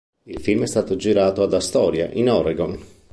Il film è stato girato ad Astoria in Oregon.